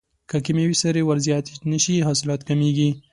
که کیمیاوي سرې ور زیاتې نشي حاصلات کمیږي.